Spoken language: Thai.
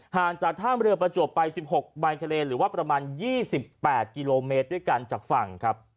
ห่างจากท่ามเรือประจวบไป๑๖ใบทะเลหรือว่าประมาณ๒๘กิโลเมตรด้วยกันจากฝั่งครับ